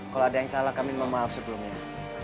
kalau ada yang salah kami memaaf sebelumnya